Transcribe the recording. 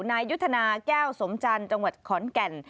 นายยุทธนาแก้วสมจันทร์จังหวัดขอนแก่น